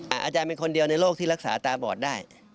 อาจารย์เป็นคนเดียวในโลกที่รักษาตาบอดได้